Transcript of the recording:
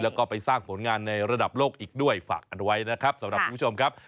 แล้วก็ไปสร้างผลงานในระดับโลกอีกด้วยฝากกันไว้นะครับสำหรับคุณผู้ชมครับ